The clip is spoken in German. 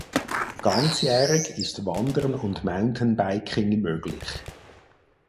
Ganzjährig ist Wandern und Mountainbiking möglich.